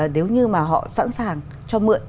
nếu như mà họ sẵn sàng cho mượn